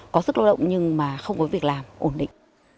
có sức lao động nhưng mà không có việc làm ổn định